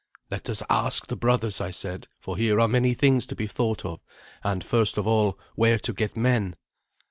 "Let us ask the brothers," I said, "for here are many things to be thought of; and, first of all, where to get men."